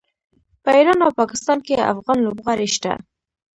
په ایران او پاکستان کې افغان لوبغاړي شته.